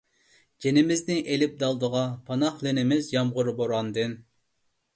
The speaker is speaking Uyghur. جېنىمىزنى ئېلىپ دالدىغا، پاناھلىنىمىز يامغۇر، بوراندىن.